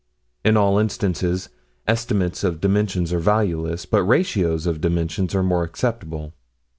In all instances, estimates of dimensions are valueless, but ratios of dimensions are more acceptable.